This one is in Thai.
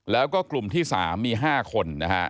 แล้วก็กลุ่มที่๓มี๕คนนะฮะ